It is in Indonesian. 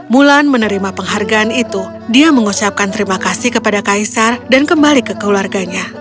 mulan menerima penghargaan itu dia mengucapkan terima kasih kepada kaisar dan kembali ke keluarganya